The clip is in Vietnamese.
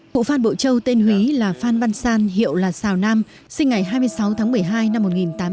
cụ phan bộ châu tên húy là phan văn san hiệu là sào nam sinh ngày hai mươi sáu tháng một mươi hai năm một nghìn tám trăm sáu mươi bảy